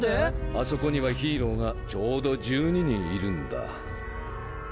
あそこにはヒーローがちょうど１２人いるんだ。